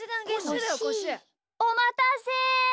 おまたせ。